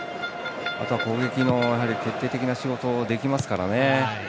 あとは、攻撃の決定的な仕事をできますからね。